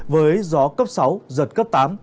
với gió cấp sáu giật cấp tám